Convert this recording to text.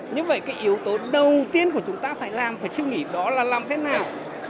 như vậy cái yếu tố đầu tiên của chúng ta phải làm phải suy nghĩ đó là làm thế nào